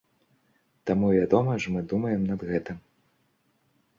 Таму вядома ж мы думаем над гэтым.